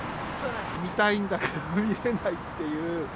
見たいんだけど、見れないっていう。